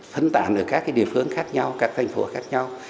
phân tản ở các cái địa phương khác nhau các thành phố khác nhau